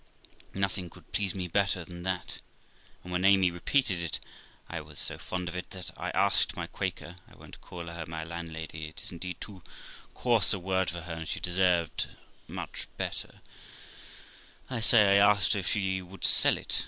Nothing could please me better than that, and when Amy repeated it, I was so fond of it that I asked my Quaker (I won't call her landlady ; 'tis indeed too coarse a word for her, and she deserved a much better) I say, I asked her if she would sell it.